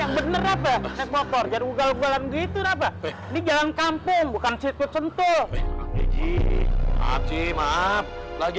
ngepotor gargong gitu nama nih jangan kampung bukan situ sentuh maaf maaf lagi